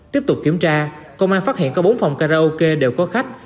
tiếp tục kiểm tra công an phát hiện có bốn phòng karaoke đều có khách